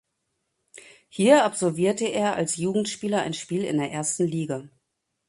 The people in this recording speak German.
Hier absolvierte er als Jugendspieler ein Spiel in der ersten Liga.